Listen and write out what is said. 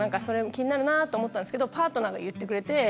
気になるなぁと思ったんですけどパートナーが言ってくれて。